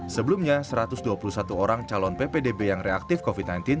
sebelumnya satu ratus dua puluh satu orang calon ppdb yang reaktif covid sembilan belas